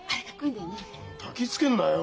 たきつけんなよ。